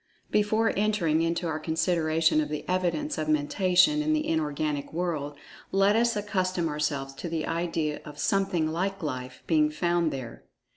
Before entering into our consideration of the evidence of Mentation in the Inorganic world, let us accustom ourselves to the idea of "something like Life" being found there.